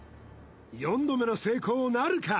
４度目の成功なるか？